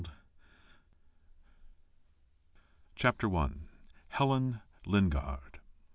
CHAPTER I. HELEN LINGARD.